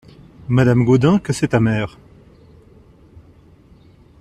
Madame Gaudin Que c'est amer !